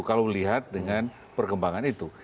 kalau melihat dengan perkembangan itu